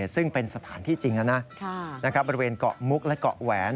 ซึ่งเป็นสถานที่จริงนะบริเวณเกาะมุกและเกาะแหวน